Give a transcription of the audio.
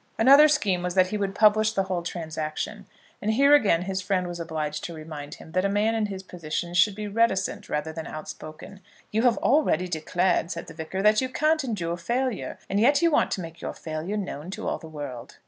Another scheme was that he would publish the whole transaction. And here again his friend was obliged to remind him, that a man in his position should be reticent rather than outspoken. "You have already declared," said the Vicar, "that you can't endure failure, and yet you want to make your failure known to all the world."